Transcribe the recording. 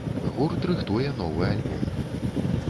Гурт рыхтуе новы альбом.